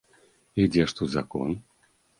І дзе ж тут закон?